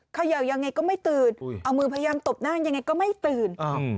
เขย่ายังไงก็ไม่ตื่นเอามือพยายามตบหน้ายังไงก็ไม่ตื่น